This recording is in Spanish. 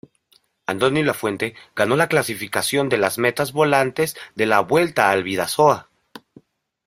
Andoni Lafuente ganó la clasificación de las metas volantes de la Vuelta al Bidasoa.